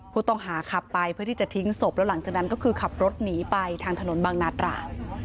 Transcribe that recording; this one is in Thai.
ผู้ต้องหาขับไปเพื่อที่จะทิ้งศพแล้วหลังจากนั้นก็คือขับรถหนีไปทางถนนบางนาตรา